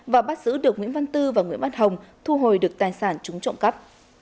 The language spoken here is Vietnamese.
và bắt giữ được nguyễn văn tư và nguyễn bát hồng thu hồi được tài sản chúng trộm cắp